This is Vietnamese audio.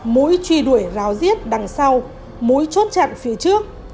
mũi truy đuổi ráo giết đằng sau mũi chốt chặn phía trước